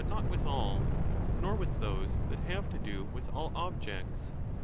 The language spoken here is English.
21 1191'' not with all, nor with those that have to do with all objects.